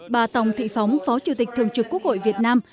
bà tòng thị phóng phó chủ tịch thường trực quốc hội việt nam